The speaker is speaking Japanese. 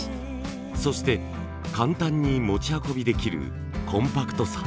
そして簡単に持ち運びできるコンパクトさ。